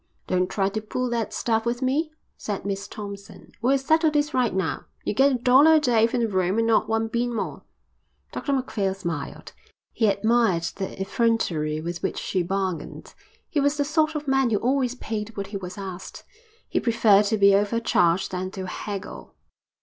"Don't try to pull that stuff with me," said Miss Thompson. "We'll settle this right now. You get a dollar a day for the room and not one bean more." Dr Macphail smiled. He admired the effrontery with which she bargained. He was the sort of man who always paid what he was asked. He preferred to be over charged than to haggle.